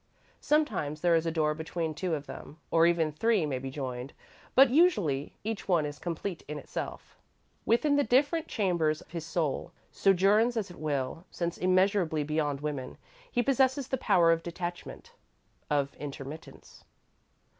Sometimes there is a door between two of them, or even three may be joined, but usually, each one is complete in itself. Within the different chambers his soul sojourns as it will, since immeasurably beyond woman, he possesses the power of detachment, of intermittence.